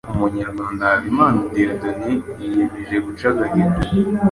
Umunyarwanda Habimana Dieudonne yiyemeje guca agahigo